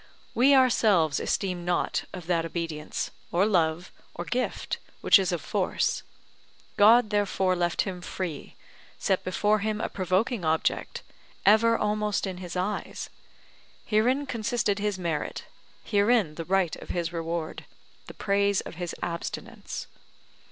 We ourselves esteem not of that obedience, or love, or gift, which is of force: God therefore left him free, set before him a provoking object, ever almost in his eyes; herein consisted his merit, herein the right of his reward, the praise of his abstinence.